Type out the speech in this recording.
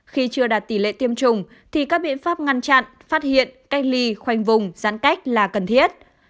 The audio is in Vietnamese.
khi chưa đạt tỷ lệ tiêm chủng thì các biện pháp ngăn chặn phát hiện cách ly khoanh vùng giãn cách là cần thiết